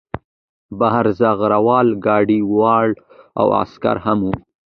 بهر زغره وال ګاډی ولاړ و او عسکر هم وو